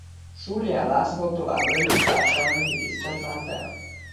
Surján László továbbra is társelnöki tisztet lát el.